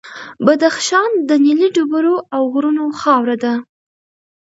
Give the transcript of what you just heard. بدخشان د نیلي ډبرو او غرونو خاوره ده.